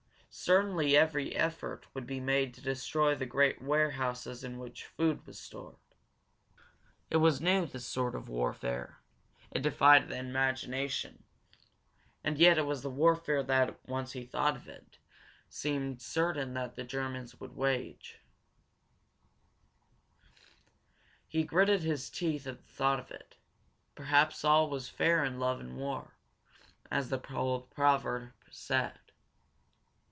Certainly every effort would be made to destroy the great warehouses in which food was stored. It was new, this sort of warfare, it defied the imagination. And yet it was the warfare that, once he thought of it, it seemed certain that the Germans would wage. He gritted his teeth at the thought of it. Perhaps all was fair in love and war, as the old proverb said.